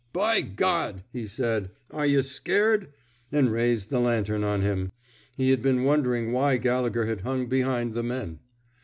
By God! " he said. Are yuh scared! " and raised the lantern on him. He had been wondering why Gallegher had hung behind the men.